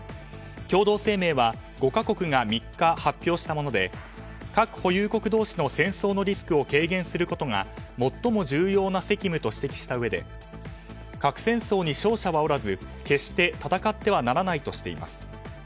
共同声明は５か国が３日発表したもので核保有国同士の戦争のリスクを軽減することが最も重要な責務と指摘したうえで核戦争に勝者はおらず、決して戦ってはならないとしています。